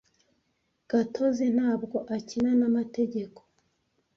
Gatozi ntabwo akina namategeko.